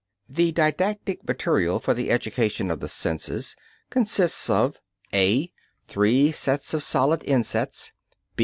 The didactic material for the education of the senses consists of: (a) Three sets of solid insets.